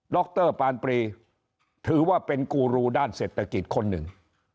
รปานปรีถือว่าเป็นกูรูด้านเศรษฐกิจคนหนึ่ง